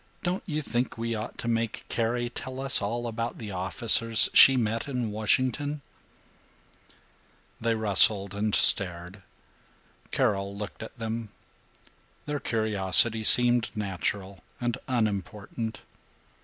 Don't you think we ought to make Carrie tell us about the officers she met in Washington?" They rustled and stared. Carol looked at them. Their curiosity seemed natural and unimportant.